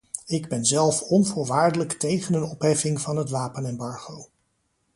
Ik ben zelf onvoorwaardelijk tegen een opheffing van het wapenembargo.